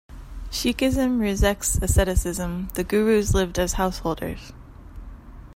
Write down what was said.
Sikhism rejects asceticism - The Gurus lived as householders.